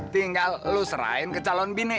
tinggal lu serahin ke calon bini